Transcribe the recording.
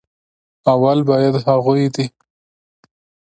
اول بايد هغوي دې